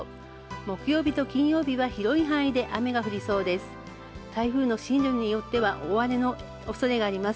木曜日と金曜日は広い範囲で雨が降りそうです。